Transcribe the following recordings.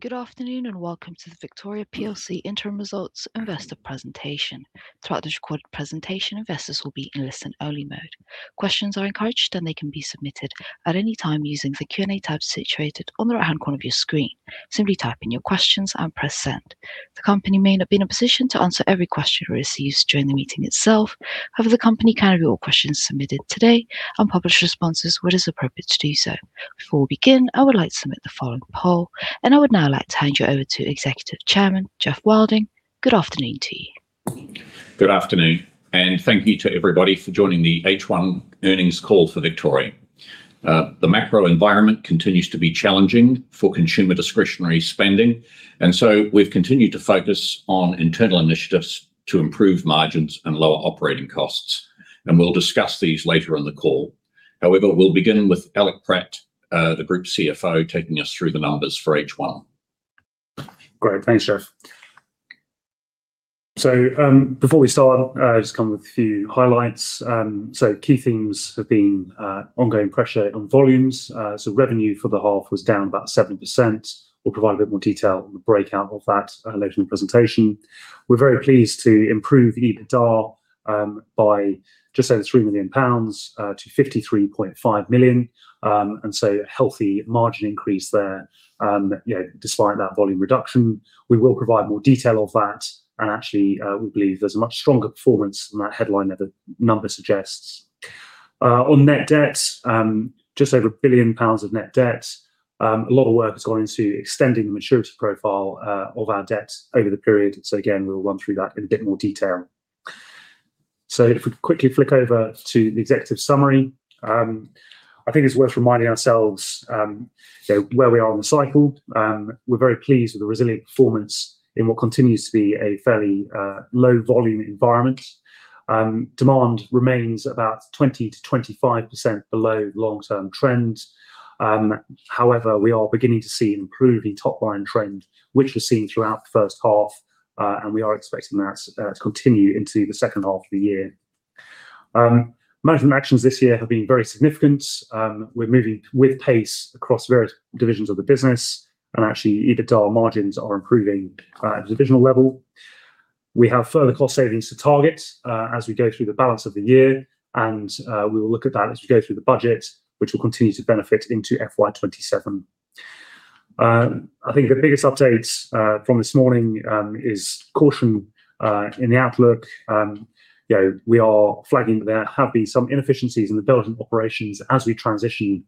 Good afternoon and Welcome to the Victoria PLC Interim Results Investor Presentation. Throughout this recorded presentation, investors will be in listen-only mode. Questions are encouraged, and they can be submitted at any time using the Q&A tab situated on the right-hand corner of your screen. Simply type in your questions and press send. The company may not be in a position to answer every question we receive during the meeting itself; however, the company can review all questions submitted today and publish responses where it is appropriate to do so. Before we begin, I would like to submit the following poll, and I would now like to hand you over to Executive Chairman Geoff Wilding. Good afternoon to you. Good afternoon, and thank you to everybody for joining the H1 earnings call for Victoria. The macro environment continues to be challenging for consumer discretionary spending, and so we've continued to focus on internal initiatives to improve margins and lower operating costs, and we'll discuss these later in the call. However, we'll begin with Alec Pratt, the Group CFO, taking us through the numbers for H1. Great, thanks Geoff. So before we start, I'll just come with a few highlights. So key themes have been ongoing pressure on volumes, so revenue for the half was down about 7%. We'll provide a bit more detail on the breakout of that later in the presentation. We're very pleased to improve EBITDA by just over 3 million pounds to 53.5 million, and so a healthy margin increase there, you know, despite that volume reduction. We will provide more detail of that, and actually, we believe there's a much stronger performance than that headline that the number suggests. On net debt, just over 1 billion pounds of net debt, a lot of work has gone into extending the maturity profile of our debt over the period, so again, we'll run through that in a bit more detail. If we quickly flick over to the executive summary, I think it's worth reminding ourselves where we are in the cycle. We're very pleased with the resilient performance in what continues to be a fairly low-volume environment. Demand remains about 20%-25% below the long-term trend. However, we are beginning to see an improving top-line trend, which was seen throughout the first half, and we are expecting that to continue into the second half of the year. Management actions this year have been very significant. We're moving with pace across various divisions of the business, and actually, EBITDA margins are improving at the divisional level. We have further cost savings to target as we go through the balance of the year, and we will look at that as we go through the budget, which will continue to benefit into FY 2027. I think the biggest update from this morning is caution in the outlook. You know, we are flagging that there have been some inefficiencies in the Belgian operations as we transition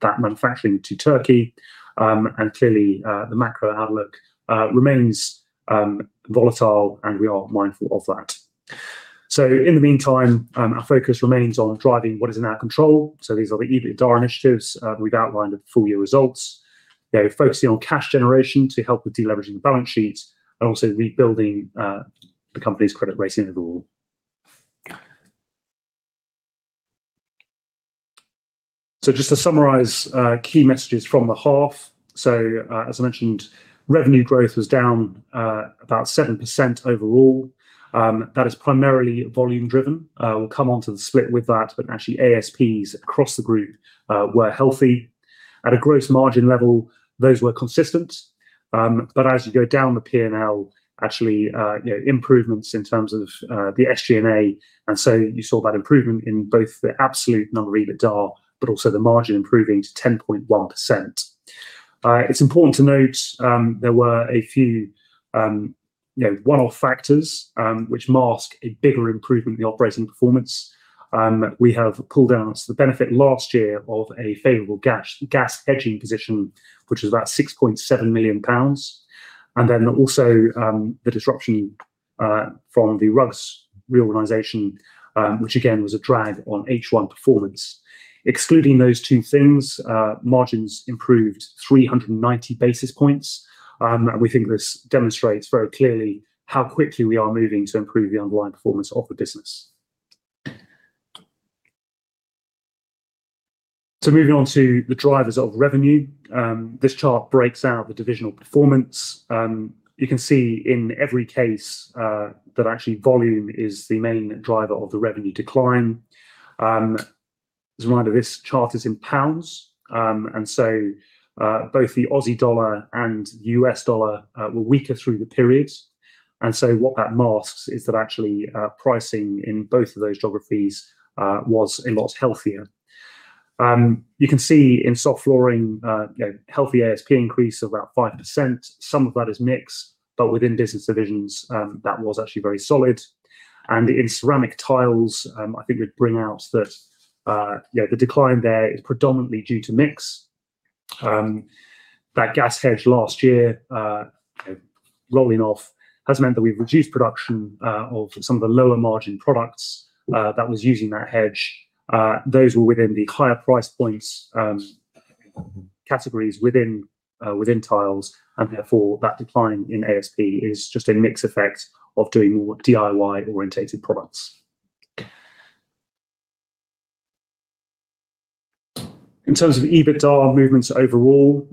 that manufacturing to Turkey, and clearly, the macro outlook remains volatile, and we are mindful of that. So in the meantime, our focus remains on driving what is in our control. So these are the EBITDA initiatives we've outlined at the full year results, you know, focusing on cash generation to help with deleveraging the balance sheet and also rebuilding the company's credit rating overall. So just to summarise key messages from the half, so as I mentioned, revenue growth was down about 7% overall. That is primarily volume-driven. We'll come on to the split with that, but actually, ASPs across the group were healthy. At a gross margin level, those were consistent, but as you go down the P&L, actually, you know, improvements in terms of the SG&A, and so you saw that improvement in both the absolute number EBITDA, but also the margin improving to 10.1%. It's important to note there were a few, you know, one-off factors which mask a bigger improvement in the operating performance. We have pulled out the benefit last year of a favorable gas hedging position, which was about 6.7 million pounds, and then also the disruption from the rugs reorganization, which again was a drag on H1 performance. Excluding those two things, margins improved 390 basis points, and we think this demonstrates very clearly how quickly we are moving to improve the underlying performance of the business. So moving on to the drivers of revenue, this chart breaks out the divisional performance. You can see in every case that actually volume is the main driver of the revenue decline. As a reminder, this chart is in pounds, and so both the Aussie dollar and the U.S. dollar were weaker through the periods, and so what that masks is that actually pricing in both of those geographies was a lot healthier. You can see in soft flooring, you know, healthy ASP increase of about 5%. Some of that is mix, but within business divisions, that was actually very solid, and in ceramic tiles, I think we'd bring out that, you know, the decline there is predominantly due to mix. That gas hedge last year, you know, rolling off has meant that we've reduced production of some of the lower margin products that was using that hedge. Those were within the higher price points categories within tiles, and therefore that decline in ASP is just a mix effect of doing more DIY-oriented products. In terms of EBITDA movements overall,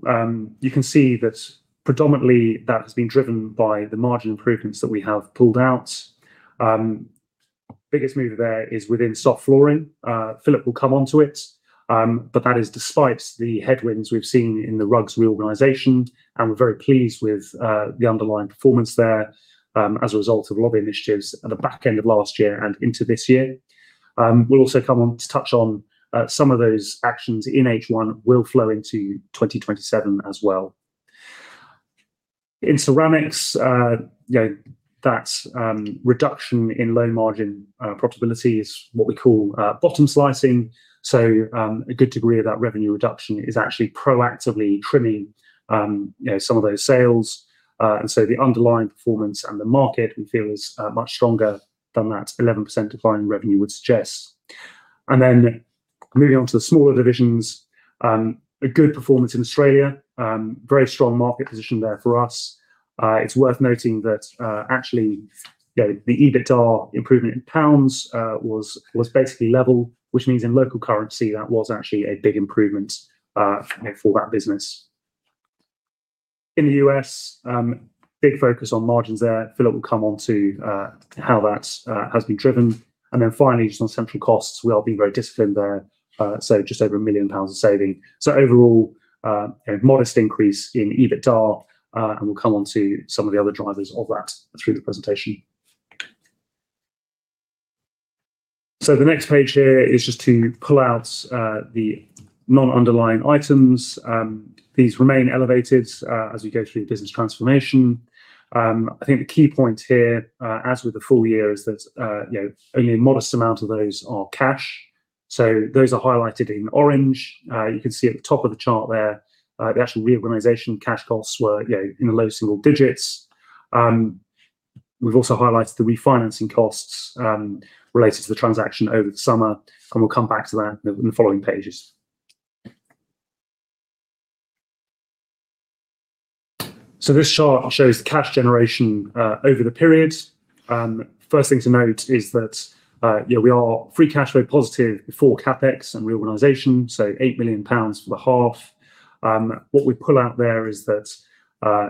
you can see that predominantly that has been driven by the margin improvements that we have pulled out. Biggest mover there is within soft flooring. Philippe will come on to it, but that is despite the headwinds we've seen in the rugs reorganization, and we're very pleased with the underlying performance there as a result of a lot of initiatives at the back end of last year and into this year. We'll also come on to touch on some of those actions in H1 will flow into 2027 as well. In ceramics, you know, that reduction in low margin profitability is what we call bottom slicing, so a good degree of that revenue reduction is actually proactively trimming, you know, some of those sales, and so the underlying performance and the market we feel is much stronger than that 11% decline in revenue would suggest, and then moving on to the smaller divisions, a good performance in Australia, very strong market position there for us. It's worth noting that actually, you know, the EBITDA improvement in pounds was basically level, which means in local currency that was actually a big improvement for that business. In the U.S., big focus on margins there. Philippe will come on to how that has been driven, and then finally, just on central costs, we are being very disciplined there, so just over 1 million pounds of saving. So overall, you know, modest increase in EBITDA, and we'll come on to some of the other drivers of that through the presentation. The next page here is just to pull out the non-underlying items. These remain elevated as we go through the business transformation. I think the key point here, as with the full year, is that, you know, only a modest amount of those are cash, so those are highlighted in orange. You can see at the top of the chart there, the actual reorganization cash costs were, you know, in the low single digits. We've also highlighted the refinancing costs related to the transaction over the summer, and we'll come back to that in the following pages. This chart shows the cash generation over the period. First thing to note is that, you know, we are free cash flow positive before CapEx and reorganization, so 8 million pounds for the half. What we pull out there is that,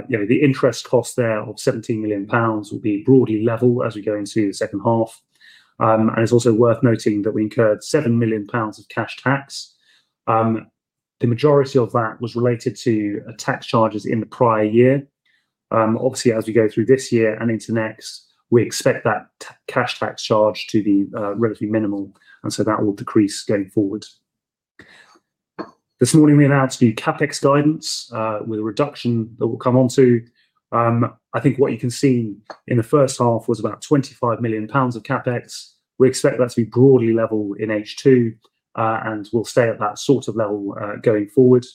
you know, the interest cost there of 17 million pounds will be broadly level as we go into the second half, and it's also worth noting that we incurred 7 million pounds of cash tax. The majority of that was related to tax charges in the prior year. Obviously, as we go through this year and into next, we expect that cash tax charge to be relatively minimal, and so that will decrease going forward. This morning, we announced new CapEx guidance with a reduction that we'll come on to. I think what you can see in the first half was about 25 million pounds of CapEx. We expect that to be broadly level in H2, and we'll stay at that sort of level going forward,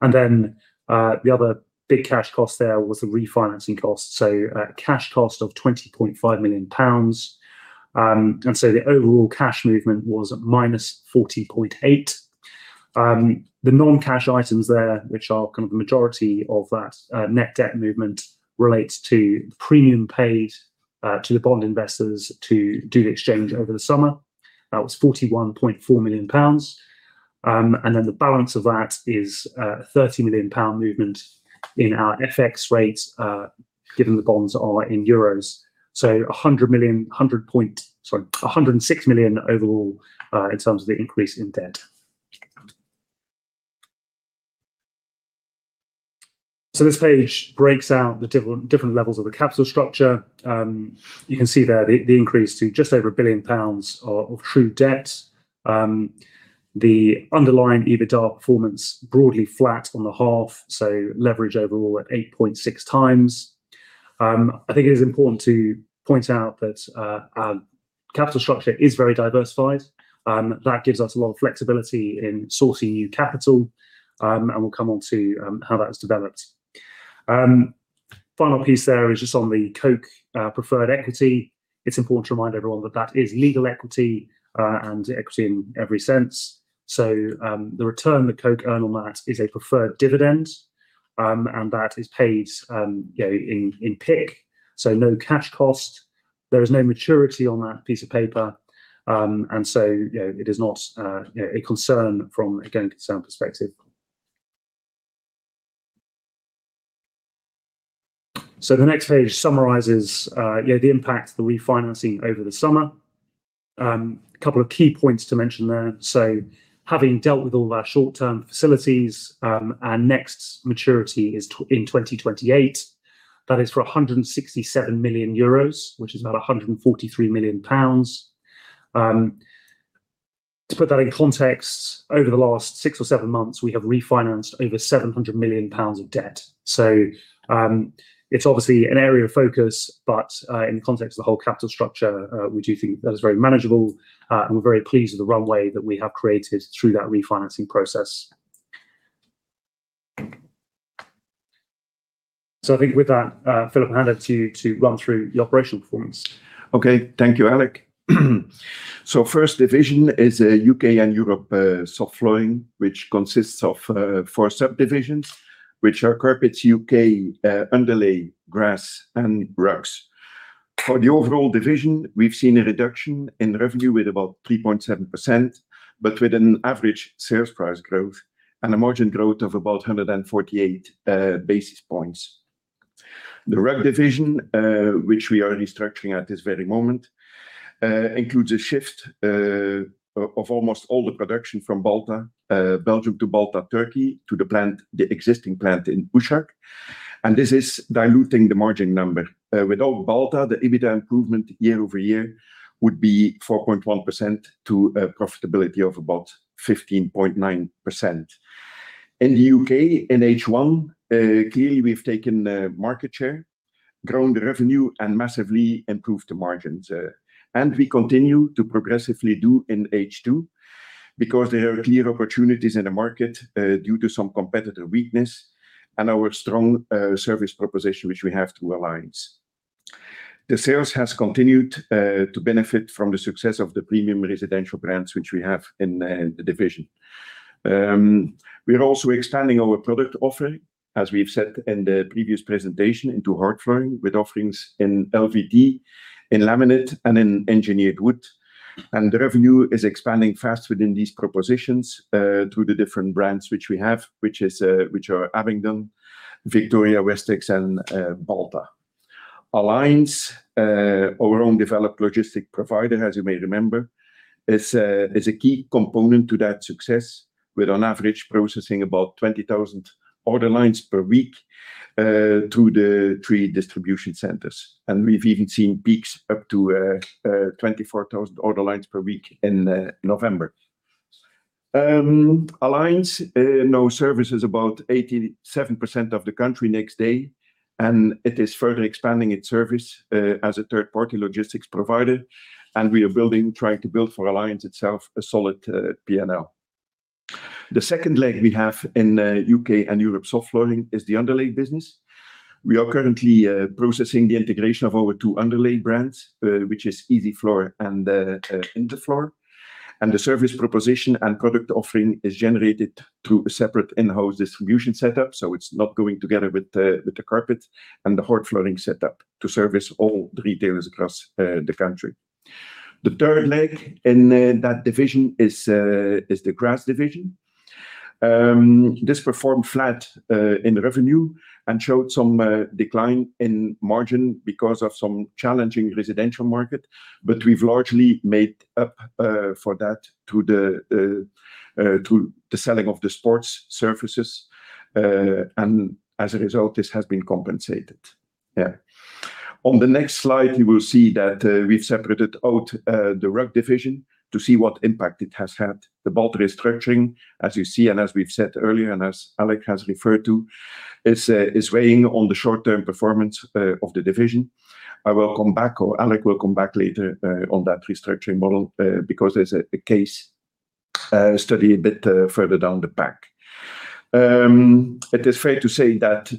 and then the other big cash cost there was the refinancing cost, so cash cost of 20.5 million pounds, and so the overall cash movement was at -14.8. The non-cash items there, which are kind of the majority of that net debt movement, relate to the premium paid to the bond investors to do the exchange over the summer. That was 41.4 million pounds, and then the balance of that is a 30 million pound movement in our FX rate, given the bonds are in Euros, so 100 million, sorry, 106 million overall in terms of the increase in debt, so this page breaks out the different levels of the capital structure. You can see there the increase to just over 1 billion pounds of true debt. The underlying EBITDA performance broadly flat on the half, so leverage overall at 8.6 times. I think it is important to point out that our capital structure is very diversified. That gives us a lot of flexibility in sourcing new capital, and we'll come on to how that's developed. Final piece there is just on the Koch preferred equity. It's important to remind everyone that that is legal equity and equity in every sense, so the return that Koch earned on that is a preferred dividend, and that is paid, you know, in PIK, so no cash cost. There is no maturity on that piece of paper, and so, you know, it is not, you know, a concern from a going concern perspective. So the next page summarizes, you know, the impact of the refinancing over the summer. A couple of key points to mention there, so having dealt with all of our short-term facilities, our next maturity is in 2028. That is for 167 million euros, which is about 143 million pounds. To put that in context, over the last six or seven months, we have refinanced over 700 million pounds of debt, so it's obviously an area of focus, but in the context of the whole capital structure, we do think that is very manageable, and we're very pleased with the runway that we have created through that refinancing process. So I think with that, Philippe, I hand over to you to run through the operational performance. Okay, thank you, Alec. So first division is a U.K. and Europe Soft Flooring, which consists of four subdivisions, which are Carpet U.K., Underlay, Grass, and Rugs. For the overall division, we've seen a reduction in revenue with about 3.7%, but with an average sales price growth and a margin growth of about 148 basis points. The rug division, which we are restructuring at this very moment, includes a shift of almost all the production from Balta, Belgium to Balta, Turkey, to the plant, the existing plant in Uşak, and this is diluting the margin number. Without Balta, the EBITDA improvement year-over-year would be 4.1% to a profitability of about 15.9%. In the U.K., in H1, clearly we've taken market share, grown the revenue, and massively improved the margins, and we continue to progressively do in H2 because there are clear opportunities in the market due to some competitor weakness and our strong service proposition, which we have through Alliance. The sales has continued to benefit from the success of the premium residential brands, which we have in the division. We are also expanding our product offering, as we've said in the previous presentation, into hard flooring with offerings in LVT, in laminate, and in engineered wood, and the revenue is expanding fast within these propositions through the different brands which we have, which are Abingdon, Victoria, Westex, and Balta. Alliance, our own developed logistic provider, as you may remember, is a key component to that success, with on average processing about 20,000 order lines per week through the three distribution centers, and we've even seen peaks up to 24,000 order lines per week in November. Alliance now services about 87% of the country next day, and it is further expanding its service as a third-party logistics provider, and we are building, trying to build for Alliance itself a solid P&L. The second leg we have in U.K. and Europe Soft Flooring is the underlay business. We are currently processing the integration of our two underlay brands, which is Ezifloor and Interfloor, and the service proposition and product offering is generated through a separate in-house distribution setup, so it's not going together with the carpet and the hard flooring setup to service all the retailers across the country. The third leg in that division is the rugs division. This performed flat in revenue and showed some decline in margin because of some challenging residential market, but we've largely made up for that through the selling of the sports surfaces, and as a result, this has been compensated. Yeah, on the next slide, you will see that we've separated out the rug division to see what impact it has had. The Balta restructuring, as you see, and as we've said earlier, and as Alec has referred to, is weighing on the short-term performance of the division. I will come back, or Alec will come back later on that restructuring model because there's a case study a bit further down the pack. It is fair to say that,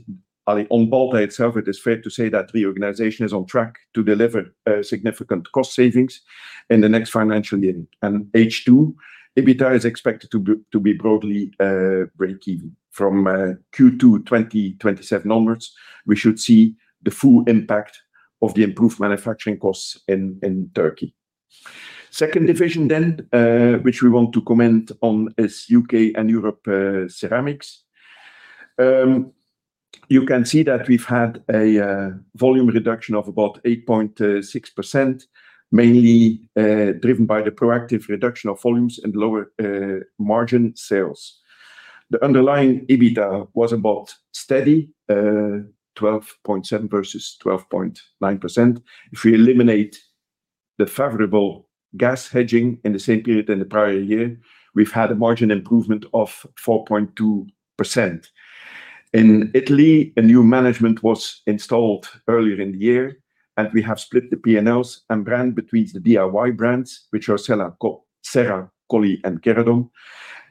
on Balta itself, it is fair to say that reorganization is on track to deliver significant cost savings in the next financial year, and H2 EBITDA is expected to be broadly breakeven. From Q2 2027 onwards, we should see the full impact of the improved manufacturing costs in Turkey. Second division then, which we want to comment on, is U.K. and Europe Ceramics. You can see that we've had a volume reduction of about 8.6%, mainly driven by the proactive reduction of volumes and lower margin sales. The underlying EBITDA was about steady, 12.7% versus 12.9%. If we eliminate the favorable gas hedging in the same period than the prior year, we've had a margin improvement of 4.2%. In Italy, a new management was installed earlier in the year, and we have split the P&Ls and brand between the DIY brands, which are Ceramiche Serra, Ceramica Colli, and Keradom,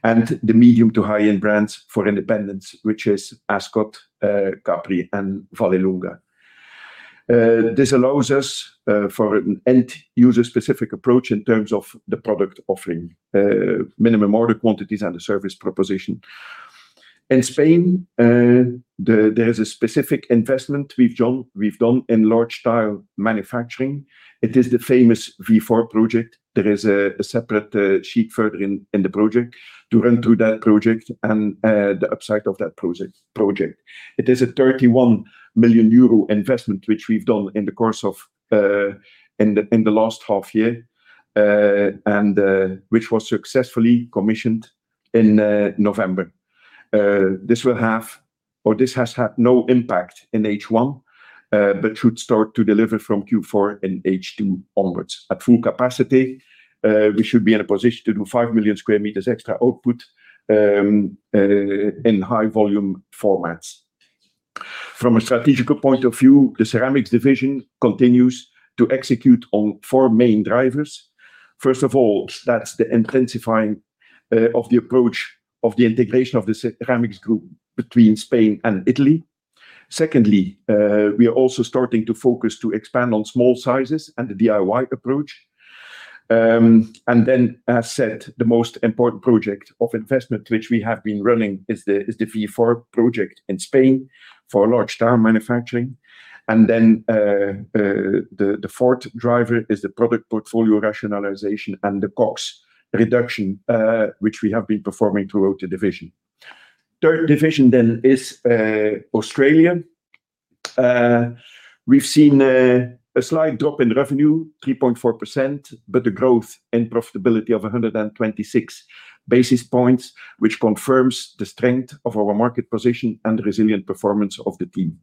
and the medium to high-end brands for independence, which is Ascot, Capri, and Vallelunga. This allows us for an end-user specific approach in terms of the product offering, minimum order quantities, and the service proposition. In Spain, there is a specific investment we've done in large tile manufacturing. It is the famous V4 Project. There is a separate sheet further in the project to run through that project and the upside of that project. It is a 31 million euro investment, which we've done in the course of, in the last half year, and which was successfully commissioned in November. This will have, or this has had no impact in H1, but should start to deliver from Q4 in H2 onwards. At full capacity, we should be in a position to do 5 million square meters extra output in high volume formats. From a strategical point of view, the ceramics division continues to execute on four main drivers. First of all, that's the intensifying of the approach of the integration of the ceramics group between Spain and Italy. Secondly, we are also starting to focus to expand on small sizes and the DIY approach. And then, as said, the most important project of investment which we have been running is the V4 Project in Spain for large tile manufacturing. And then the fourth driver is the product portfolio rationalization and the cost reduction, which we have been performing throughout the division. Third division then is Australia. We've seen a slight drop in revenue, 3.4%, but the growth in profitability of 126 basis points, which confirms the strength of our market position and the resilient performance of the team.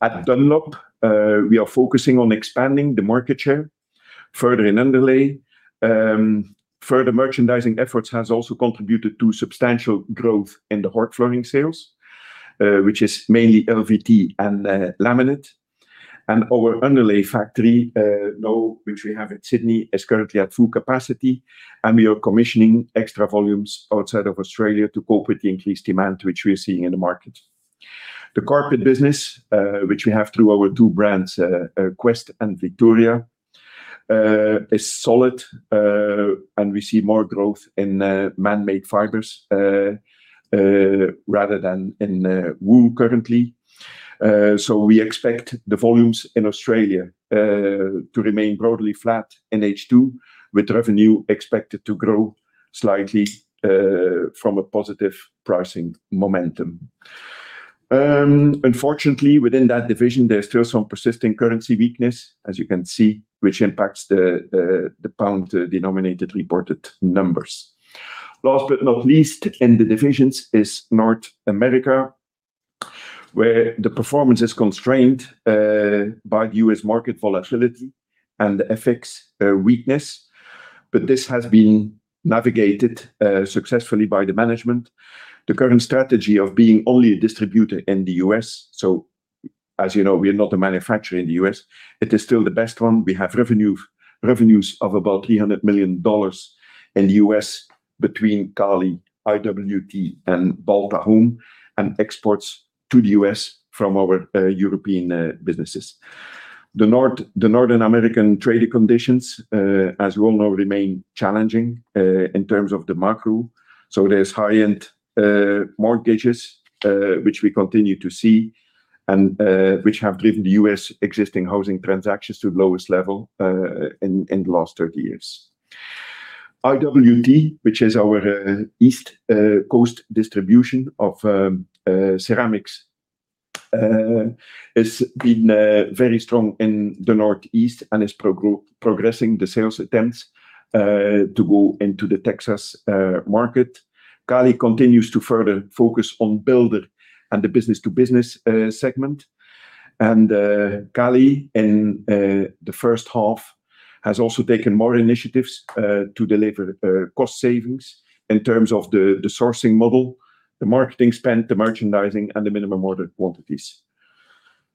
At Dunlop, we are focusing on expanding the market share further in underlay. Further merchandising efforts have also contributed to substantial growth in the hard flooring sales, which is mainly LVT and laminate. And our underlay factory now, which we have in Sydney, is currently at full capacity, and we are commissioning extra volumes outside of Australia to cope with the increased demand which we are seeing in the market. The carpet business, which we have through our two brands, Quest and Victoria, is solid, and we see more growth in man-made fibers rather than in wool currently. So we expect the volumes in Australia to remain broadly flat in H2, with revenue expected to grow slightly from a positive pricing momentum. Unfortunately, within that division, there's still some persisting currency weakness, as you can see, which impacts the pound denominated reported numbers. Last but not least in the divisions is North America, where the performance is constrained by the U.S. market volatility and the FX weakness, but this has been navigated successfully by the management. The current strategy of being only a distributor in the U.S., so as you know, we are not a manufacturer in the U.S., it is still the best one. We have revenues of about $300 million in the U.S. between Colli, IWT, and Balta Home, and exports to the U.S. from our European businesses. The North American trading conditions, as we all know, remain challenging in terms of the macro, so there's high-end mortgages, which we continue to see and which have driven the U.S. existing housing transactions to the lowest level in the last 30 years. IWT, which is our East Coast distribution of ceramics, has been very strong in the Northeast and is progressing the sales attempts to go into the Texas market. CALI continues to further focus on builder and the business-to-business segment, and CALI in the first half has also taken more initiatives to deliver cost savings in terms of the sourcing model, the marketing spend, the merchandising, and the minimum order quantities.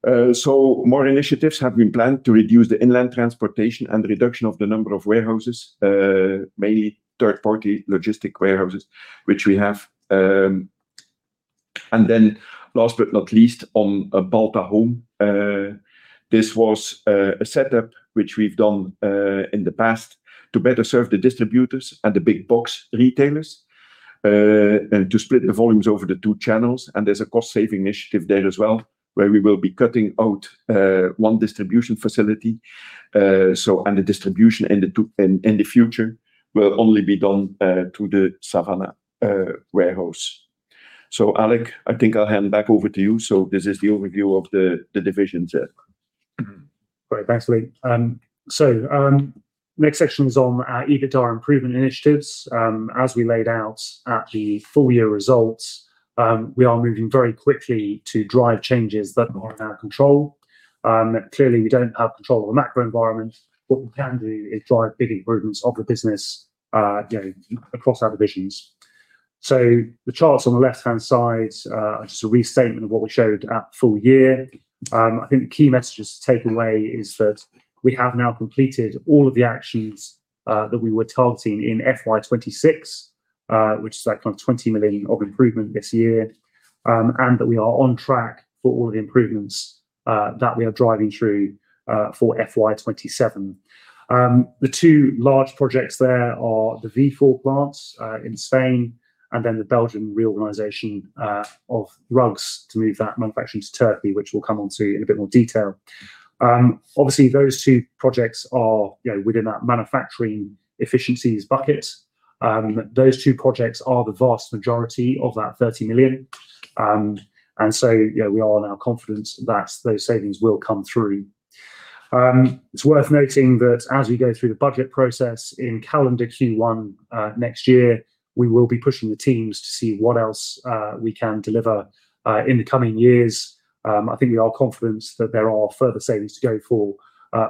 More initiatives have been planned to reduce the inland transportation and the number of warehouses, mainly third-party logistics warehouses, which we have. Then last but not least, on Balta Home, this was a setup which we've done in the past to better serve the distributors and the big box retailers and to split the volumes over the two channels. There's a cost-saving initiative there as well, where we will be cutting out one distribution facility. The distribution in the future will only be done through the Savannah warehouse. Alec, I think I'll hand back over to you. So this is the overview of the divisions there. Great, thanks Philippe. So next section is on EBITDA improvement initiatives. As we laid out at the full year results, we are moving very quickly to drive changes that are in our control. Clearly, we don't have control of the macro environment, but what we can do is drive big improvements of the business across our divisions. So the charts on the left-hand side are just a restatement of what we showed at full year. I think the key message to take away is that we have now completed all of the actions that we were targeting in FY 2026, which is that kind of 20 million of improvement this year, and that we are on track for all of the improvements that we are driving through for FY 2027. The two large projects there are the V4 plants in Spain and then the Belgian reorganization of rugs to move that manufacturing to Turkey, which we'll come on to in a bit more detail. Obviously, those two projects are within that manufacturing efficiencies bucket. Those two projects are the vast majority of that 30 million, and so we are now confident that those savings will come through. It's worth noting that as we go through the budget process in calendar Q1 next year, we will be pushing the teams to see what else we can deliver in the coming years. I think we are confident that there are further savings to go for,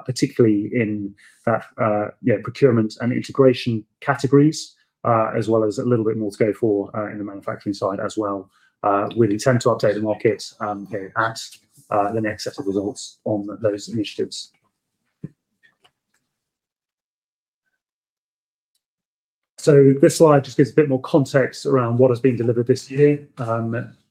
particularly in that procurement and integration categories, as well as a little bit more to go for in the manufacturing side as well, with intent to update the market at the next set of results on those initiatives. So this slide just gives a bit more context around what has been delivered this year.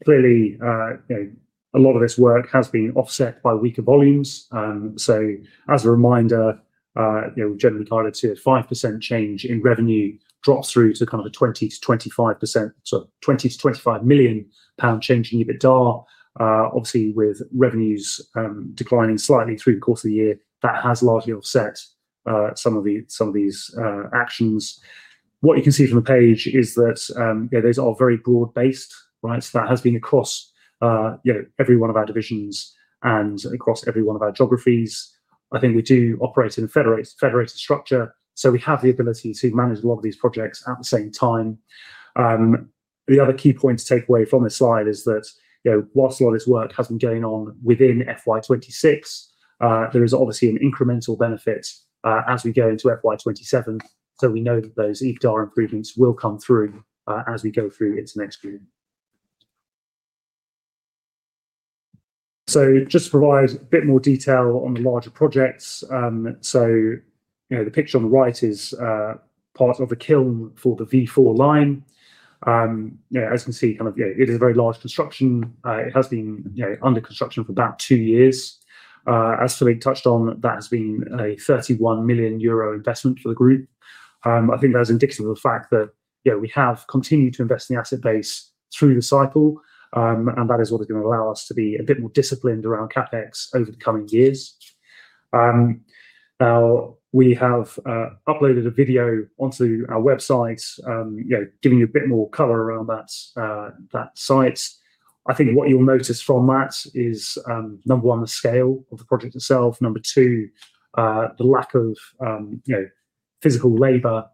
Clearly, a lot of this work has been offset by weaker volumes. So as a reminder, we generally target a 5% change in revenue drops through to kind of a 20%-25%, so 20 million pound-GBP25 million change in EBITDA, obviously with revenues declining slightly through the course of the year. That has largely offset some of these actions. What you can see from the page is that those are very broad-based, right? So that has been across every one of our divisions and across every one of our geographies. I think we do operate in a federated structure, so we have the ability to manage a lot of these projects at the same time. The other key point to take away from this slide is that while a lot of this work has been going on within FY 2026, there is obviously an incremental benefit as we go into FY 2027. So we know that those EBITDA improvements will come through as we go through into next year. So just to provide a bit more detail on the larger projects, so the picture on the right is part of the kiln for the V4 line. As you can see, it is a very large construction. It has been under construction for about two years. As Philippe touched on, that has been a 31 million euro investment for the group. I think that is indicative of the fact that we have continued to invest in the asset base through the cycle, and that is what is going to allow us to be a bit more disciplined around CapEx over the coming years. Now, we have uploaded a video onto our website, giving you a bit more color around that site. I think what you'll notice from that is, number one, the scale of the project itself. Number two, the lack of physical labor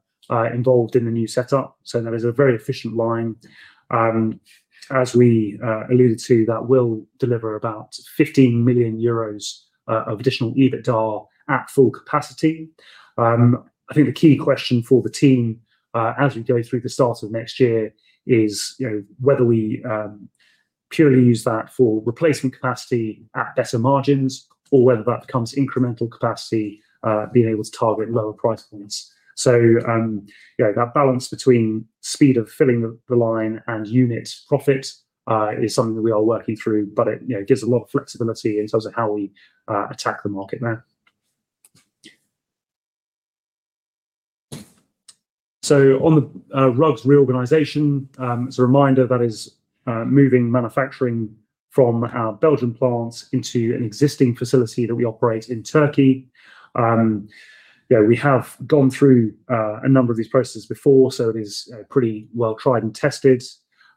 involved in the new setup. So that is a very efficient line. As we alluded to, that will deliver about 15 million euros of additional EBITDA at full capacity. I think the key question for the team as we go through the start of next year is whether we purely use that for replacement capacity at better margins or whether that becomes incremental capacity, being able to target lower price points. So that balance between speed of filling the line and unit profit is something that we are working through, but it gives a lot of flexibility in terms of how we attack the market now. So on the rugs reorganization, as a reminder, that is moving manufacturing from our Belgian plants into an existing facility that we operate in Turkey. We have gone through a number of these processes before, so it is pretty well tried and tested.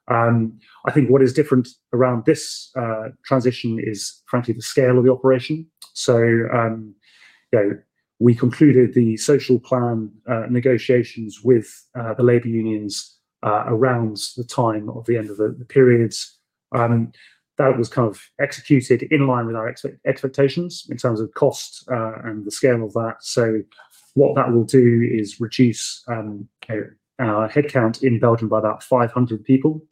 I think what is different around this transition is, frankly, the scale of the operation. We concluded the social plan negotiations with the labor unions around the time of the end of the period. That was kind of executed in line with our expectations in terms of cost and the scale of that. So what that will do is reduce our headcount in Belgium by about 500 people.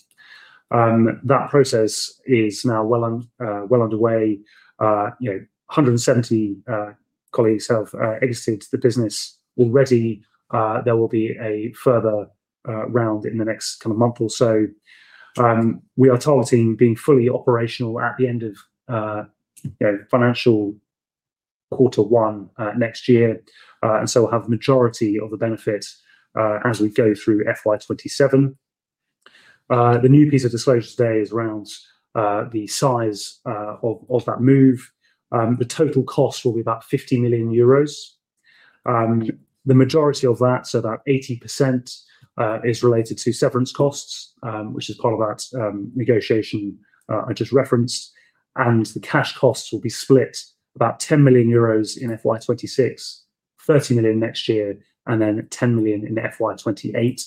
That process is now well underway. 170 colleagues have exited the business already. There will be a further round in the next kind of month or so. We are targeting being fully operational at the end of financial quarter one next year, and so we'll have the majority of the benefit as we go through FY 2027. The new piece of disclosure today is around the size of that move. The total cost will be about 50 million euros. The majority of that, so about 80%, is related to severance costs, which is part of that negotiation I just referenced. And the cash costs will be split about 10 million euros in FY 2026, 30 million next year, and then 10 million in FY 2028.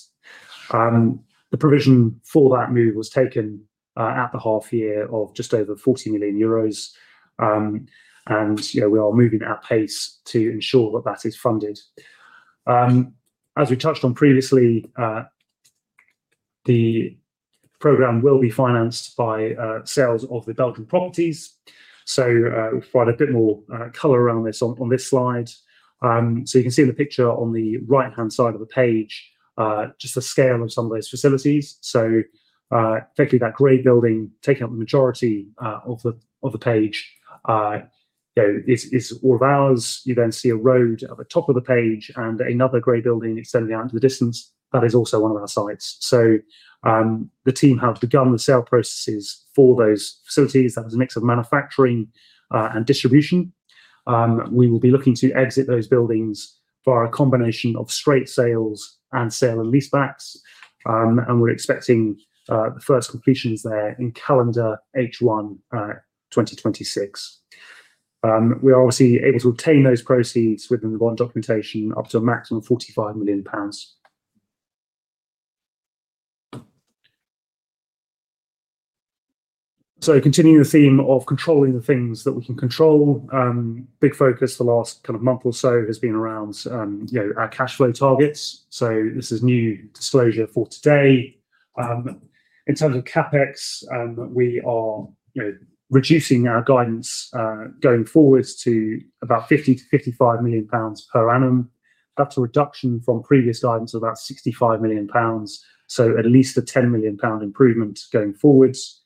The provision for that move was taken at the half year of just over 40 million euros, and we are moving at pace to ensure that that is funded. As we touched on previously, the program will be financed by sales of the Belgian properties. So we'll provide a bit more color around this on this slide. So you can see in the picture on the right-hand side of the page, just the scale of some of those facilities. So effectively, that grey building taking up the majority of the page is all of ours. You then see a road at the top of the page and another grey building extending out into the distance. That is also one of our sites. So the team have begun the sale processes for those facilities. That is a mix of manufacturing and distribution. We will be looking to exit those buildings via a combination of straight sales and sale and lease backs, and we're expecting the first completions there in calendar H1 2026. We are obviously able to obtain those proceeds within the bond documentation up to a maximum of 45 million pounds. So continuing the theme of controlling the things that we can control, big focus the last kind of month or so has been around our cash flow targets. So this is new disclosure for today. In terms of CapEx, we are reducing our guidance going forwards to about 50 million-55 million pounds per annum. That's a reduction from previous guidance of about 65 million pounds. So at least a 10 million pound improvement going forwards.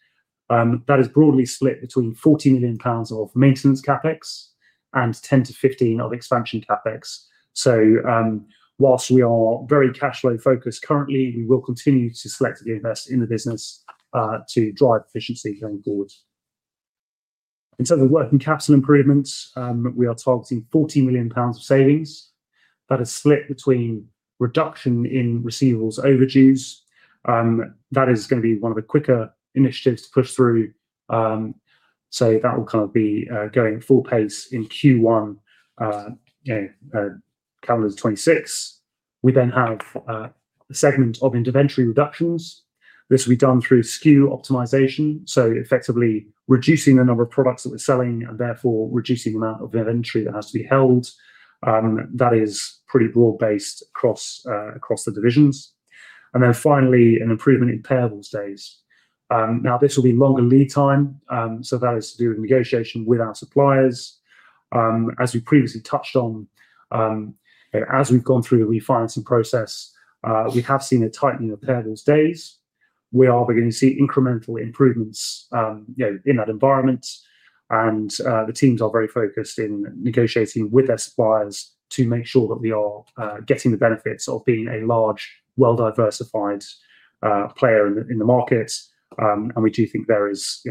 That is broadly split between 40 million pounds of maintenance CapEx and 10-15 of expansion CapEx. So whilst we are very cash flow focused currently, we will continue to selectively invest in the business to drive efficiency going forwards. In terms of working capital improvements, we are targeting 40 million pounds of savings. That is split between reduction in receivables overdues. That is going to be one of the quicker initiatives to push through. So that will kind of be going full pace in Q1, calendar 2026. We then have a segment of inventory reductions. This will be done through SKU optimization, so effectively reducing the number of products that we're selling and therefore reducing the amount of inventory that has to be held. That is pretty broad-based across the divisions. Finally, an improvement in payables days. Now, this will be longer lead time, so that is to do with negotiation with our suppliers. As we previously touched on, as we've gone through the refinancing process, we have seen a tightening of payables days. We are beginning to see incremental improvements in that environment, and the teams are very focused in negotiating with their suppliers to make sure that we are getting the benefits of being a large, well-diversified player in the market. We do think there is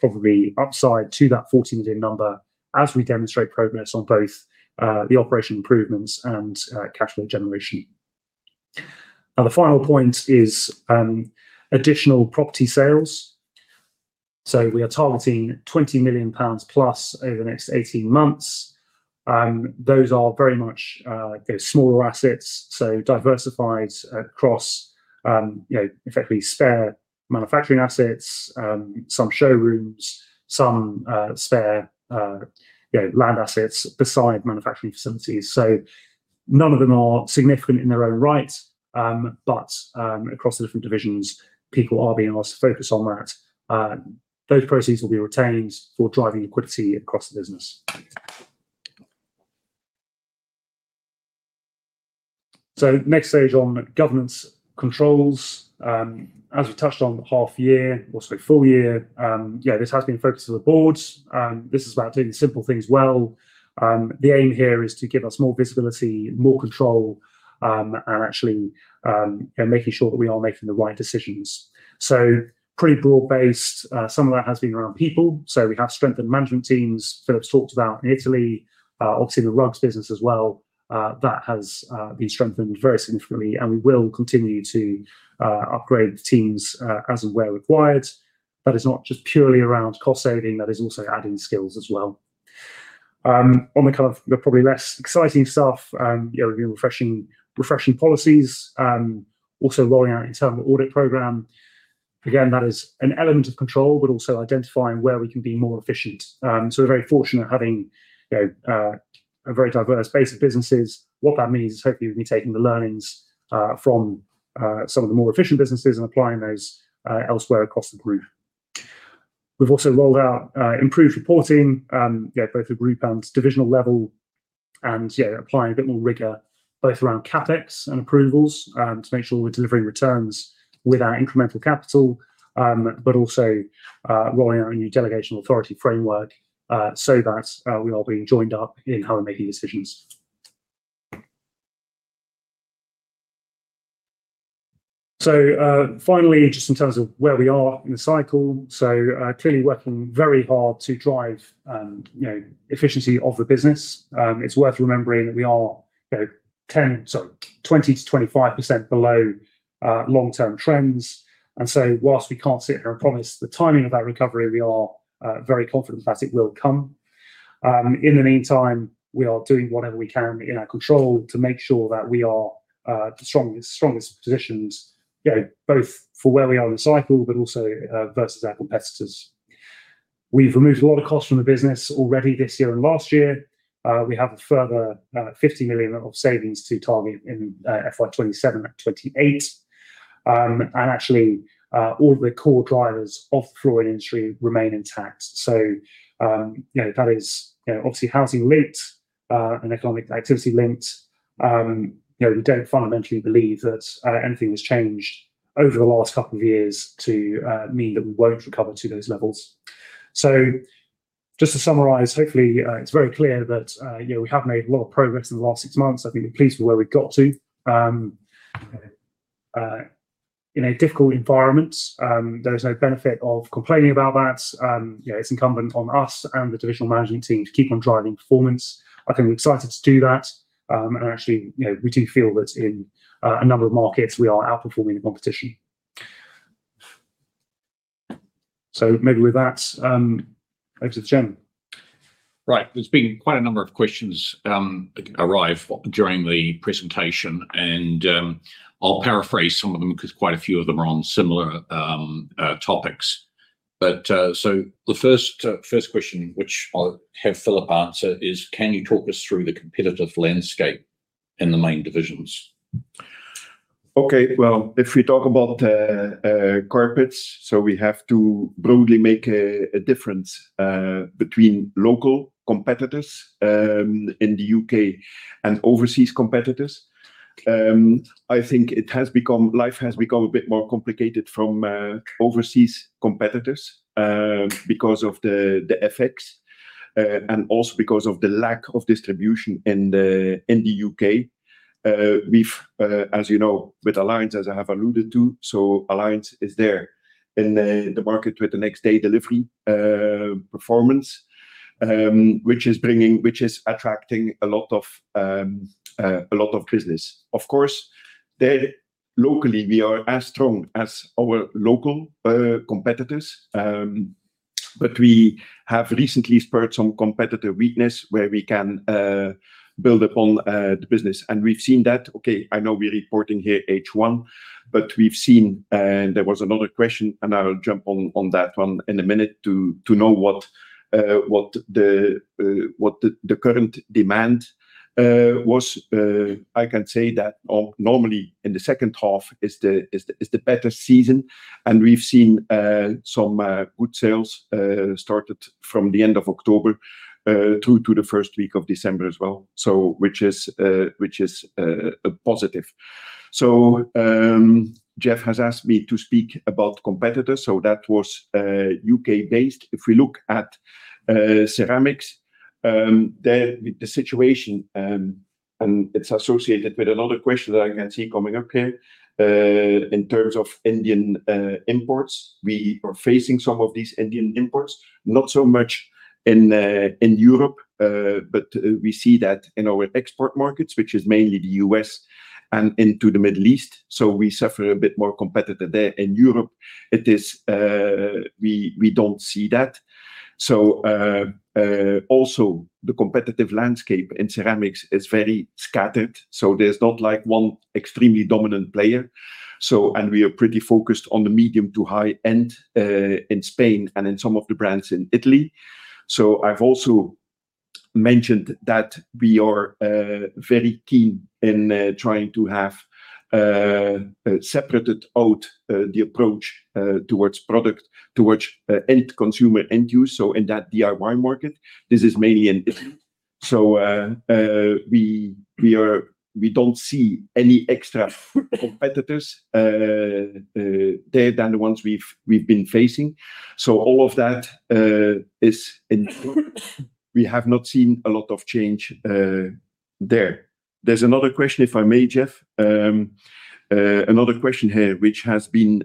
probably upside to that 40 million number as we demonstrate progress on both the operation improvements and cash flow generation. Now, the final point is additional property sales. We are targeting 20+ million pounds over the next 18 months. Those are very much smaller assets, so diversified across effectively spare manufacturing assets, some showrooms, some spare land assets beside manufacturing facilities. So none of them are significant in their own right, but across the different divisions, people are being asked to focus on that. Those proceeds will be retained for driving liquidity across the business. So next stage on governance controls. As we touched on half year, or sorry, full year, this has been focused on the boards. This is about doing simple things well. The aim here is to give us more visibility, more control, and actually making sure that we are making the right decisions. So pretty broad-based. Some of that has been around people. So we have strengthened management teams. Philippe's talked about in Italy, obviously the rugs business as well. That has been strengthened very significantly, and we will continue to upgrade the teams as and where required. That is not just purely around cost saving. That is also adding skills as well. On the kind of probably less exciting stuff, we're doing refreshing policies, also rolling out an internal audit program. Again, that is an element of control, but also identifying where we can be more efficient. So we're very fortunate having a very diverse base of businesses. What that means is hopefully we'll be taking the learnings from some of the more efficient businesses and applying those elsewhere across the group. We've also rolled out improved reporting, both at group and divisional level, and applying a bit more rigor both around CapEx and approvals to make sure we're delivering returns with our incremental capital, but also rolling out a new delegation authority framework so that we are being joined up in how we're making decisions. So finally, just in terms of where we are in the cycle, so clearly working very hard to drive efficiency of the business. It's worth remembering that we are 20%-25% below long-term trends. And so while we can't sit here and promise the timing of that recovery, we are very confident that it will come. In the meantime, we are doing whatever we can in our control to make sure that we are the strongest positions, both for where we are in the cycle, but also versus our competitors. We've removed a lot of costs from the business already this year and last year. We have a further 50 million of savings to target in FY 2027 and FY 2028, and actually, all of the core drivers of the flooring industry remain intact, so that is obviously housing linked and economic activity linked. We don't fundamentally believe that anything has changed over the last couple of years to mean that we won't recover to those levels, so just to summarize, hopefully it's very clear that we have made a lot of progress in the last six months. I think we're pleased with where we've got to. In a difficult environment, there is no benefit of complaining about that. It's incumbent on us and the divisional management team to keep on driving performance. I think we're excited to do that. Actually, we do feel that in a number of markets, we are outperforming the competition. So maybe with that, over to Geoff. Right. There's been quite a number of questions arrive during the presentation, and I'll paraphrase some of them because quite a few of them are on similar topics. But so the first question, which I'll have Philippe answer, is, can you talk us through the competitive landscape in the main divisions? Okay. Well, if we talk about carpets, so we have to broadly make a difference between local competitors in the U.K. and overseas competitors. I think life has become a bit more complicated from overseas competitors because of the effects and also because of the lack of distribution in the U.K. We've, as you know, with Alliance, as I have alluded to, so Alliance is there in the market with the next-day delivery performance, which is attracting a lot of business. Of course, locally, we are as strong as our local competitors, but we have recently spurred some competitive weakness where we can build upon the business. And we've seen that. Okay, I know we're reporting here H1, but we've seen, and there was another question, and I'll jump on that one in a minute to know what the current demand was. I can say that normally in the second half is the better season, and we've seen some good sales started from the end of October through to the first week of December as well, which is a positive. So Geoff has asked me to speak about competitors. So that was U.K.-based. If we look at ceramics, the situation, and it's associated with another question that I can see coming up here in terms of Indian imports. We are facing some of these Indian imports, not so much in Europe, but we see that in our export markets, which is mainly the U.S. and into the Middle East. So we suffer a bit more competitive there in Europe. We don't see that. So also, the competitive landscape in ceramics is very scattered. So there's not like one extremely dominant player. And we are pretty focused on the medium to high end in Spain and in some of the brands in Italy. So I've also mentioned that we are very keen in trying to have separated out the approach towards product, towards end consumer end use. So in that DIY market, this is mainly in Italy. So we don't see any extra competitors there than the ones we've been facing. So all of that is in Europe. We have not seen a lot of change there. There's another question, if I may, Geoff. Another question here, which has been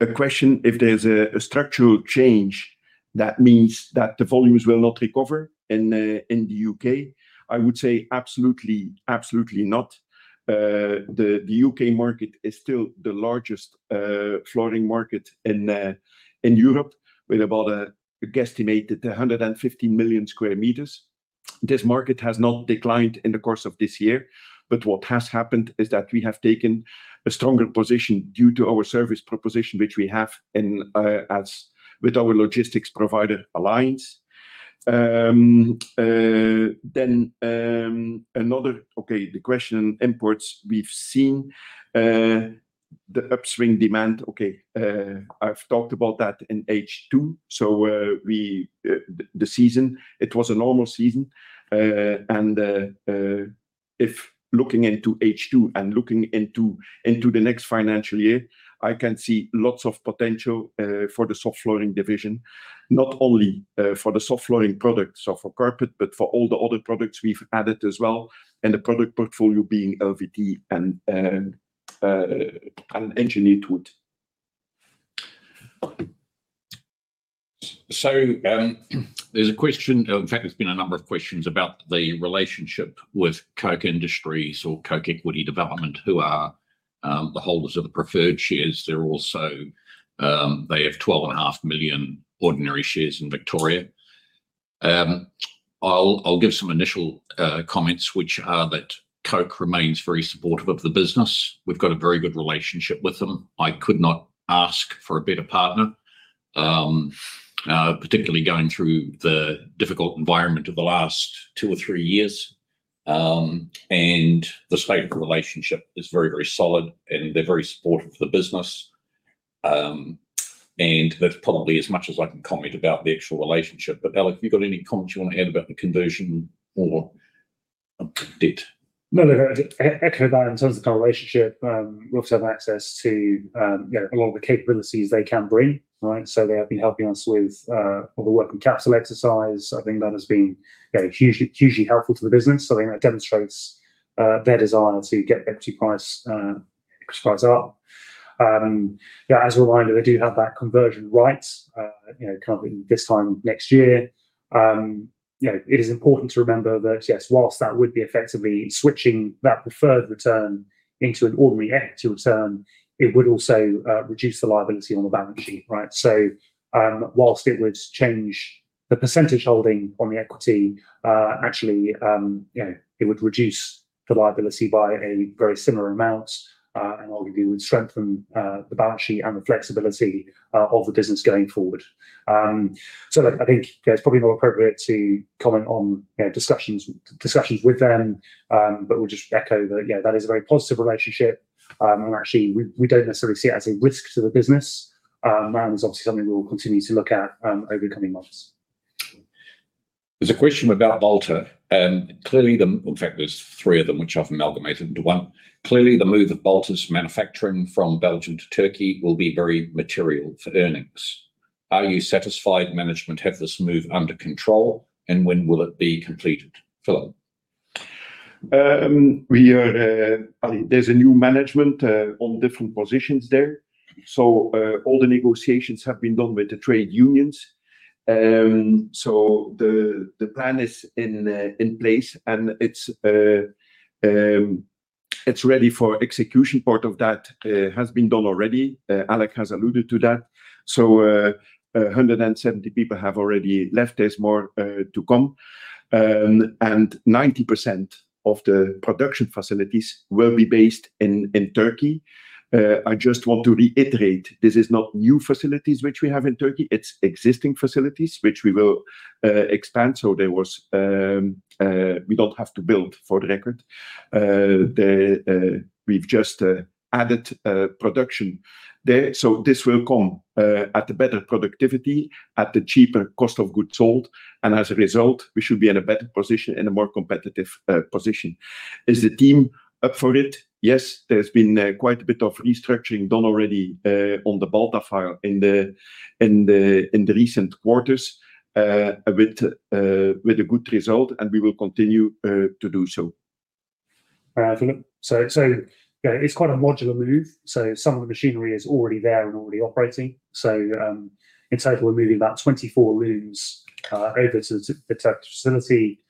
a question if there's a structural change that means that the volumes will not recover in the U.K. I would say absolutely not. The U.K. market is still the largest flooring market in Europe, with about a guesstimate at 115 million square meters. This market has not declined in the course of this year, but what has happened is that we have taken a stronger position due to our service proposition, which we have with our logistics provider, Alliance. Then another, okay, the question on imports, we've seen the upswing demand. Okay, I've talked about that in H2. So the season, it was a normal season. If looking into H2 and looking into the next financial year, I can see lots of potential for the soft flooring division, not only for the soft flooring product, soft floor carpet, but for all the other products we've added as well, and the product portfolio being LVT and engineered wood. There's a question, in fact, there's been a number of questions about the relationship with Koch Industries or Koch Equity Development, who are the holders of the preferred shares. They have 12.5 million ordinary shares in Victoria. I'll give some initial comments, which are that Koch remains very supportive of the business. We've got a very good relationship with them. I could not ask for a better partner, particularly going through the difficult environment of the last two or three years. The state of the relationship is very, very solid, and they're very supportive of the business. That's probably as much as I can comment about the actual relationship. Alec, you've got any comments you want to add about the conversion or debt? No, echo that in terms of the relationship. We also have access to a lot of the capabilities they can bring. So they have been helping us with the working capital exercise. I think that has been hugely helpful to the business. I think that demonstrates their desire to get equity price up. As a reminder, they do have that conversion right kind of this time next year. It is important to remember that, yes, while that would be effectively switching that preferred return into an ordinary equity return, it would also reduce the liability on the balance sheet. So while it would change the percentage holding on the equity, actually, it would reduce the liability by a very similar amount, and obviously would strengthen the balance sheet and the flexibility of the business going forward. So I think it's probably more appropriate to comment on discussions with them, but we'll just echo that that is a very positive relationship. And actually, we don't necessarily see it as a risk to the business. That is obviously something we'll continue to look at over the coming months. There's a question about Balta. Clearly, in fact, there's three of them which I've amalgamated into one. Clearly, the move of Balta's manufacturing from Belgium to Turkey will be very material for earnings. Are you satisfied management have this move under control, and when will it be completed? Philippe? There's a new management on different positions there. So all the negotiations have been done with the trade unions. So the plan is in place, and it's ready for execution. Part of that has been done already. Alec has alluded to that. So 170 people have already left. There's more to come. And 90% of the production facilities will be based in Turkey. I just want to reiterate, this is not new facilities which we have in Turkey. It's existing facilities which we will expand. So we don't have to build, for the record. We've just added production there. So this will come at a better productivity, at the cheaper cost of goods sold. And as a result, we should be in a better position, in a more competitive position. Is the team up for it? Yes. There's been quite a bit of restructuring done already on the Balta side in the recent quarters with a good result, and we will continue to do so. So it's quite a modular move. So some of the machinery is already there and already operating. So in total, we're moving about 24 looms over to the Turkish facility.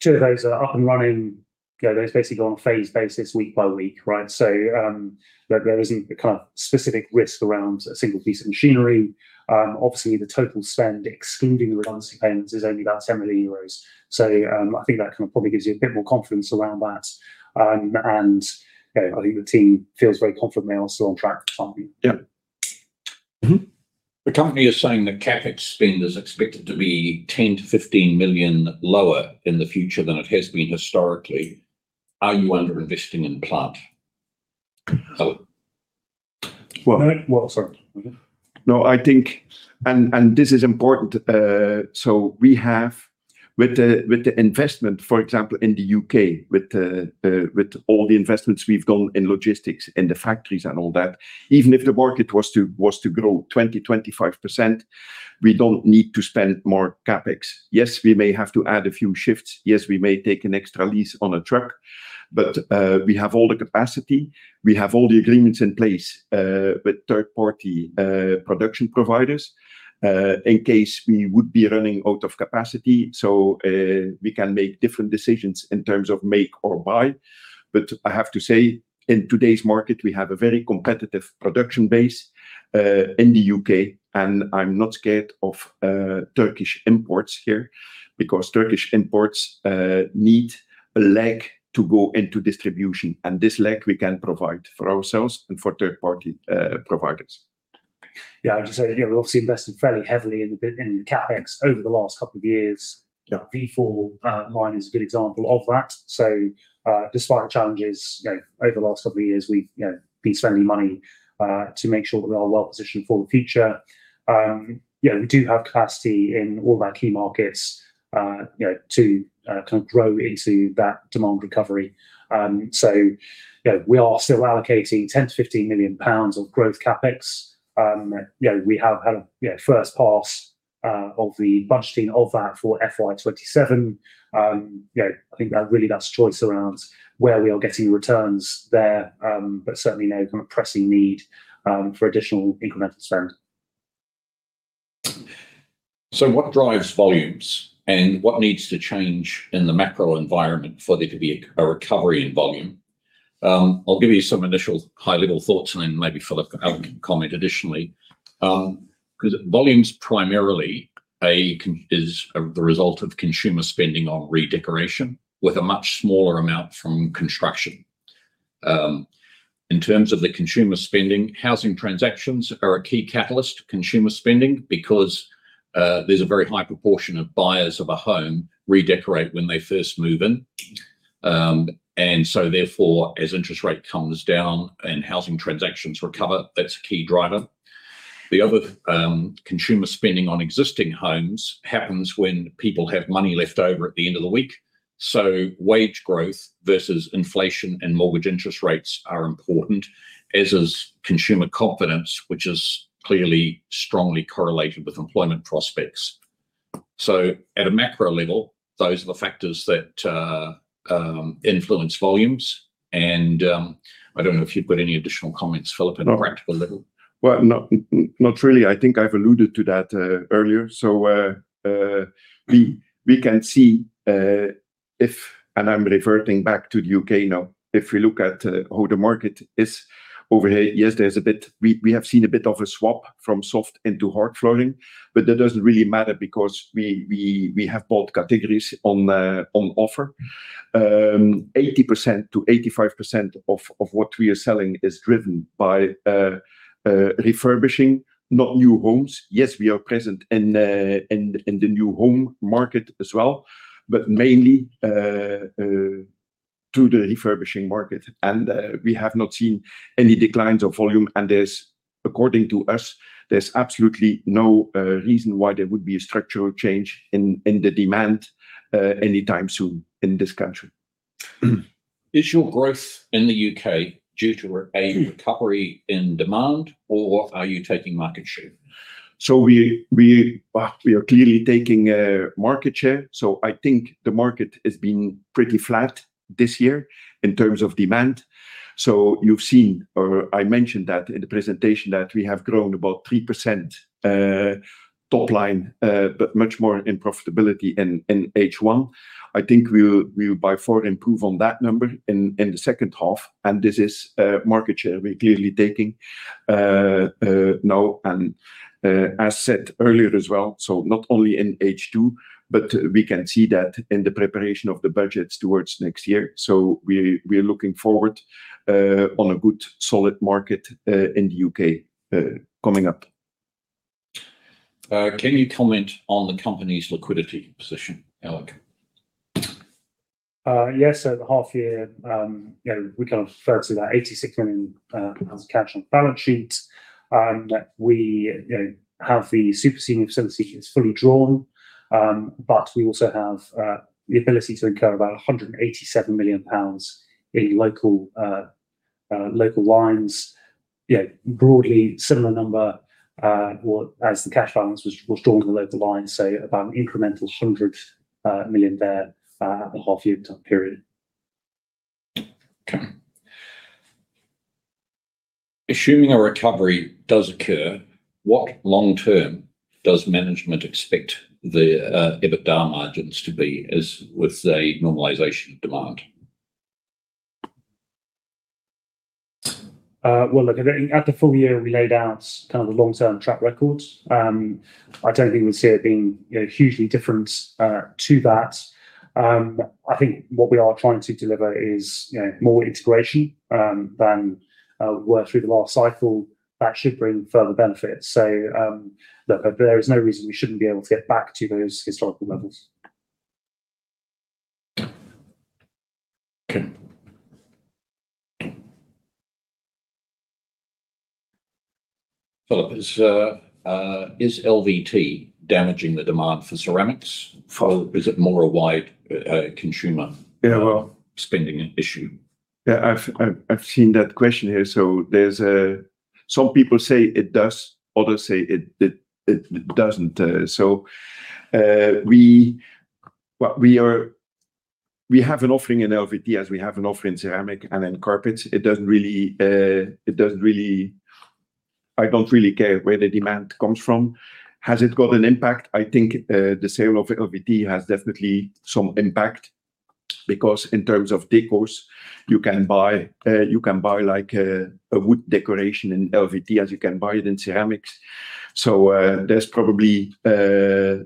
Two of those are up and running. They're basically on a phased basis, week by week. So there isn't a kind of specific risk around a single piece of machinery. Obviously, the total spend, excluding the redundancy payments, is only about 10 million euros. So I think that kind of probably gives you a bit more confidence around that. And I think the team feels very confident they're also on track for time. Yeah. The company is saying that CapEx spend is expected to be 10 million-15 million lower in the future than it has been historically. Are you underinvesting in plant? Well, sorry. No, I think, and this is important. So we have, with the investment, for example, in the U.K., with all the investments we've done in logistics, in the factories and all that, even if the market was to grow 20%-25%, we don't need to spend more CapEx. Yes, we may have to add a few shifts. Yes, we may take an extra lease on a truck, but we have all the capacity. We have all the agreements in place with third-party production providers in case we would be running out of capacity. So we can make different decisions in terms of make or buy. But I have to say, in today's market, we have a very competitive production base in the U.K., and I'm not scared of Turkish imports here because Turkish imports need a leg to go into distribution. And this leg, we can provide for ourselves and for third-party providers. Yeah, I would just say we've obviously invested fairly heavily in CapEx over the last couple of years. V4 line is a good example of that. So despite the challenges over the last couple of years, we've been spending money to make sure that we are well positioned for the future. We do have capacity in all of our key markets to kind of grow into that demand recovery. So we are still allocating 10 million-15 million pounds of growth CapEx. We have had a first pass of the budgeting of that for FY 2027. I think really that's a choice around where we are getting returns there, but certainly no kind of pressing need for additional incremental spend. So what drives volumes and what needs to change in the macro environment for there to be a recovery in volume? I'll give you some initial high-level thoughts, and then maybe Philippe can comment additionally. Volumes primarily is the result of consumer spending on redecoration with a much smaller amount from construction. In terms of the consumer spending, housing transactions are a key catalyst to consumer spending because there's a very high proportion of buyers of a home redecorate when they first move in, and so therefore, as interest rate comes down and housing transactions recover, that's a key driver. The other consumer spending on existing homes happens when people have money left over at the end of the week. Wage growth versus inflation and mortgage interest rates are important, as is consumer confidence, which is clearly strongly correlated with employment prospects. At a macro level, those are the factors that influence volumes. I don't know if you've got any additional comments, Philippe, in a practical level. Not really. I think I've alluded to that earlier. We can see if, and I'm reverting back to the U.K. now, if we look at how the market is over here, yes, there's a bit. We have seen a bit of a swap from soft into hard flooring, but that doesn't really matter because we have both categories on offer. 80%-85% of what we are selling is driven by refurbishing, not new homes. Yes, we are present in the new home market as well, but mainly to the refurbishing market. And we have not seen any declines of volume. And according to us, there's absolutely no reason why there would be a structural change in the demand anytime soon in this country. Is your growth in the U.K. due to a recovery in demand, or are you taking market share? So we are clearly taking market share. So I think the market has been pretty flat this year in terms of demand. So you've seen, or I mentioned that in the presentation, that we have grown about 3% top line, but much more in profitability in H1. I think we'll by far improve on that number in the second half. And this is market share we're clearly taking now. And as said earlier as well, so not only in H2, but we can see that in the preparation of the budgets towards next year. We're looking forward to a good solid market in the U.K. coming up. Can you comment on the company's liquidity position, Alec? Yes, at the half-year, we kind of felt that 86 million pounds of cash on the balance sheet. We have the Super Senior Facility that's fully drawn, but we also have the ability to incur about 187 million pounds in local lines. Broadly, similar number as the cash balance was drawn in the local lines, so about an incremental 100 million there at the half-year time period. Okay. Assuming a recovery does occur, what long-term does management expect the EBITDA margins to be with the normalization of demand? Look, at the full year, we laid out kind of the long-term track record. I don't think we would see it being hugely different to that. I think what we are trying to deliver is more integration than we were through the last cycle. That should bring further benefits. So look, there is no reason we shouldn't be able to get back to those historical levels. Okay. Philippe, is LVT damaging the demand for ceramics? Or is it more a wider consumer spending issue? Yeah, I've seen that question here. So some people say it does. Others say it doesn't. So we have an offering in LVT, as we have an offering in ceramic and in carpets. It doesn't really care where the demand comes from. Has it got an impact? I think the sale of LVT has definitely some impact because in terms of decors, you can buy a wood decoration in LVT as you can buy it in ceramics. So there's probably a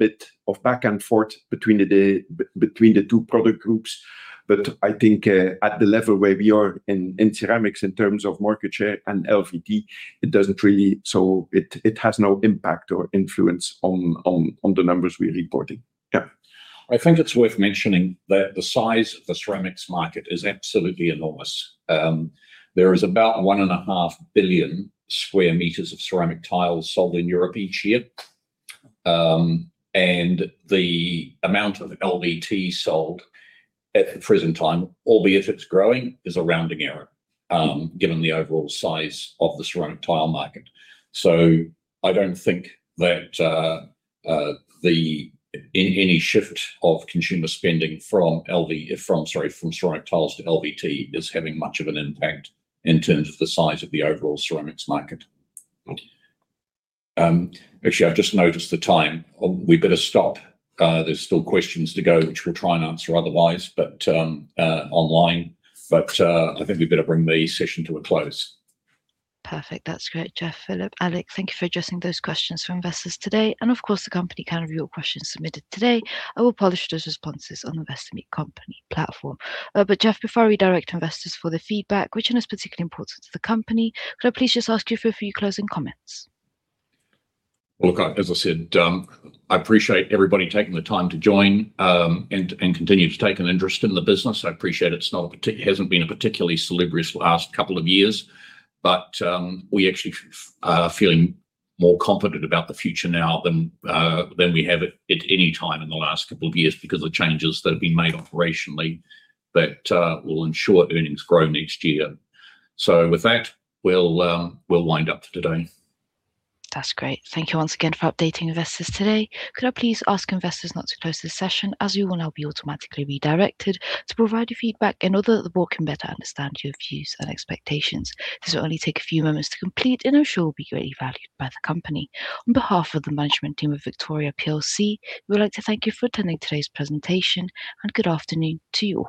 bit of back and forth between the two product groups. But I think at the level where we are in ceramics in terms of market share and LVT, it doesn't really have no impact or influence on the numbers we're reporting. Yeah. I think it's worth mentioning that the size of the ceramics market is absolutely enormous. There is about one and a half billion square meters of ceramic tiles sold in Europe each year. And the amount of LVT sold at the present time, albeit it's growing, is a rounding error given the overall size of the ceramic tile market. So I don't think that any shift of consumer spending from ceramic tiles to LVT is having much of an impact in terms of the size of the overall ceramics market. Actually, I've just noticed the time. We better stop. There's still questions to go, which we'll try and answer otherwise online. But I think we better bring the session to a close. Perfect. That's great, Geoff, Philippe, Alec. Thank you for addressing those questions for investors today. And of course, the company can review your questions submitted today and will publish those responses on the Bestinvest platform. But Geoff, before I redirect investors for their feedback, which is particularly important to the company, could I please just ask you for a few closing comments? Look, as I said, I appreciate everybody taking the time to join and continue to take an interest in the business. I appreciate it hasn't been a particularly salubrious last couple of years, but we actually are feeling more confident about the future now than we have at any time in the last couple of years because of the changes that have been made operationally that will ensure earnings grow next year. So with that, we'll wind up for today. That's great. Thank you once again for updating investors today. Could I please ask investors not to close the session as you will now be automatically redirected to provide your feedback in order that the board can better understand your views and expectations? This will only take a few moments to complete and I'm sure will be greatly valued by the company. On behalf of the management team of Victoria PLC, we would like to thank you for attending today's presentation. And good afternoon to you all.